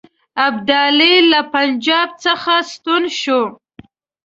ابدالي له پنجاب څخه ستون شو.